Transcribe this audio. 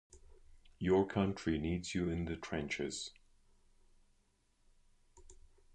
Your Country needs you in the trenches!